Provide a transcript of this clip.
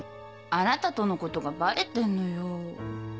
あなたとのことがバレてんのよ。